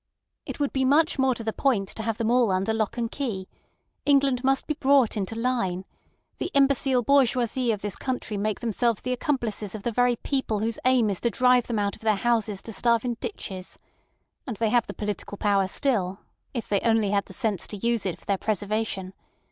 "It would be much more to the point to have them all under lock and key. England must be brought into line. The imbecile bourgeoisie of this country make themselves the accomplices of the very people whose aim is to drive them out of their houses to starve in ditches. And they have the political power still, if they only had the sense to use it for their preservation.